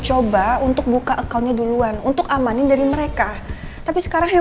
coba untuk buka accountnya duluan untuk amanin dari mereka tapi sekarang yang